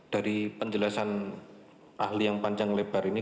dari penjelasan ahli yang panjang lebar ini